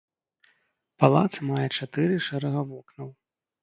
Палац мае чатыры шэрага вокнаў.